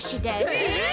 え！